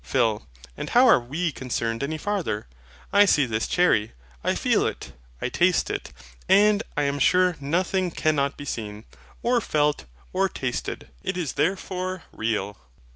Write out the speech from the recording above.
PHIL. And how are WE concerned any farther? I see this cherry, I feel it, I taste it: and I am sure NOTHING cannot be seen, or felt, or tasted: it is therefore real.